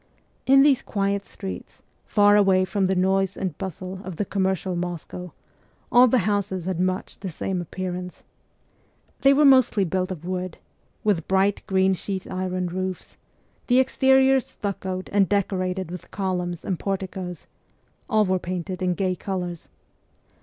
In these quiet streets, far away from the noise and bustle of the commercial Moscow, all the houses had much the same appearance. They were mostly built of wood, with bright green sheet iron roofs, the exteriors stuccoed and decorated with columns and porticoes ; all were painted in gay colours.